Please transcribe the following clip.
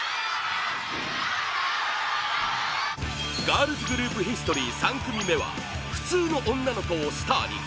ガールズグループヒストリー３組目は普通の女の子をスターに！